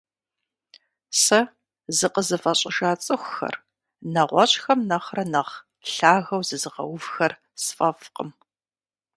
Сэ зыкъызыфӏэщӏыжа цӏыхухэр, нэгъуэщӏхэм нэхърэ нэхъ лъагэу зызыгъэувхэр сфӏэфӏкъым.